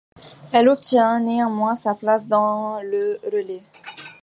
Elle obtient néanmoins sa place dans le relais.